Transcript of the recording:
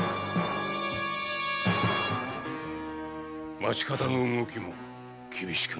町方の動きも厳しくなってきた。